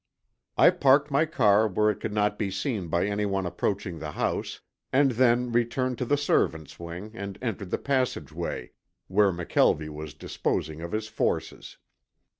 I parked my car where it could not be seen by anyone approaching the house and then returned to the servants' wing and entered the passageway, where McKelvie was disposing of his forces.